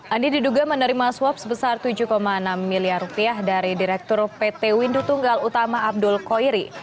andi diduga menerima suap sebesar tujuh enam miliar rupiah dari direktur pt windu tunggal utama abdul koiri